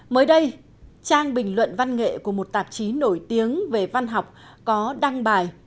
mới đây trang bình luận văn nghệ của một tạp chí nổi tiếng về văn học có đăng bài